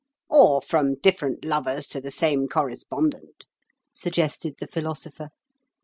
"Or from different lovers to the same correspondent," suggested the Philosopher.